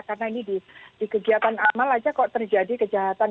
karena ini di kegiatan amal aja kok terjadi kejahatan